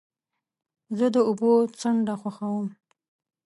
زه د اوبو څنډه خوښوم.